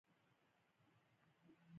په الوتکه کې دننه انتظار شوم.